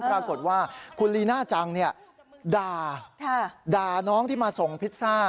ปรากฏว่าคุณลีน่าจังด่าด่าน้องที่มาส่งพิซซ่า